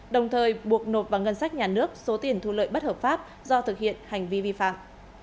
đồng thời buộc nộp vào ngân sách nhà nước số tiền thu lợi bất hợp pháp do thực hiện hành vi vi phạm